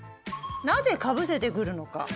「なぜ『かぶせて』くるのか？」。